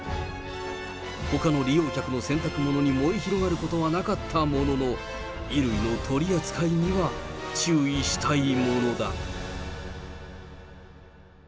ほかの利用客の洗濯物に燃え広がることはなかったものの、衣類の取り扱いには注意したいものだ。